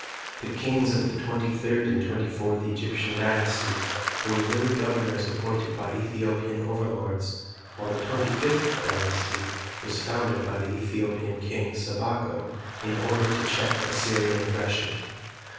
The kings of the twenty third and twenty fourth Egyptian dynasties were really governors appointed by Ethiopian overlords, while the twenty fifth dynasty was founded by the Ethiopian king, Sabako, in order to check Assyrian aggression.